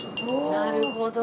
なるほど。